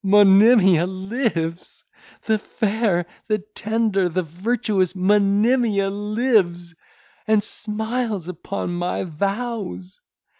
Monimia lives!—the fair, the tender, the virtuous Monimia lives, and smiles upon my vows!